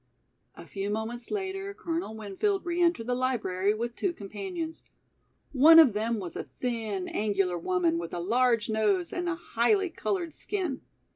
A few moments later, Colonel Winfield re entered the library with two companions. One of them was a thin, angular woman with a large nose and a highly colored skin.